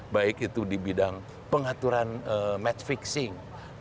baik itu di bidang pengaturan match fixing